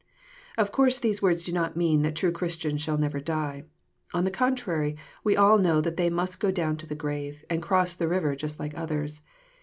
Of course these words do not mean that true Christians shall never die. On the contrary, we all know that they must go down to the grave, and cross the river just like others.